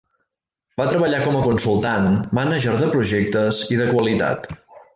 Va treballar com a consultant, mànager de projectes i de qualitat.